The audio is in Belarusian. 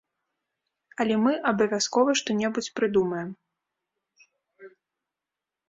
Але мы абавязкова што-небудзь прыдумаем.